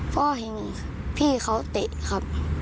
พ่อเห็นพี่เขาเตะครับ